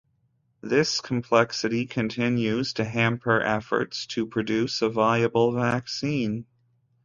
This complexity continues to hamper efforts to produce a viable vaccine.